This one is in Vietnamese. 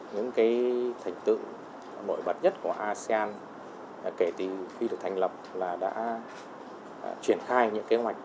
những cái thành tựu mổi bật nhất của asean kể từ khi được thành lập là đã truyền khai những kế hoạch